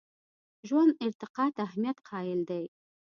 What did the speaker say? ژوند ارتقا ته اهمیت قایل دی.